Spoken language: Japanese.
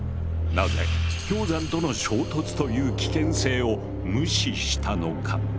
なぜ氷山との衝突という危険性を無視したのか？